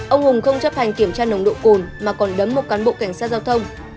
ông hùng không chấp hành kiểm tra nồng độ cồn mà còn đấm một cán bộ cảnh sát giao thông